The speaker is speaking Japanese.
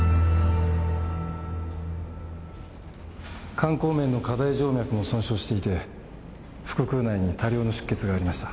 肝後面の下大静脈も損傷していて腹腔内に多量の出血がありました。